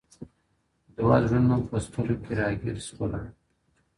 • دوه زړونه په سترگو کي راگير سوله ـ